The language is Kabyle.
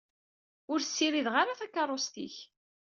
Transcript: Ur ssirideɣ ara takeṛṛust-ik.